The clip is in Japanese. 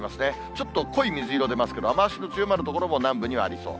ちょっと濃い水色出ますけど、雨足の強まる所も南部にはありそう。